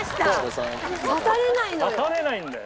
刺されないのよ。